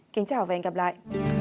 kính chào và hẹn gặp lại